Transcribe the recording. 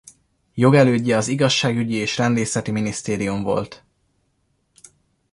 Jogelődje az Igazságügyi és Rendészeti Minisztérium volt.